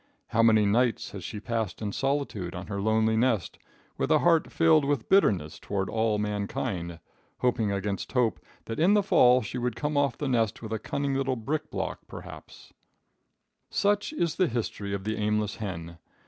How many nights has she passed in solitude on her lonely nest, with a heart filled with bitterness toward all mankind, hoping on against hope that in the fall she would come off the nest with a cunning little brick block, perhaps. [Illustration: THE RESULT OF PATIENCE.] Such is the history of the aimless hen.